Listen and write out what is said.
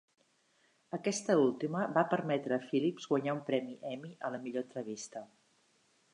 Aquesta última va permetre a Phillips guanyar un premi Emmy a la Millor Entrevista.